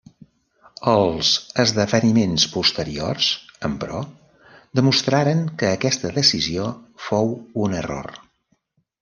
Els esdeveniments posteriors, emperò, demostraren que aquesta decisió fou un error.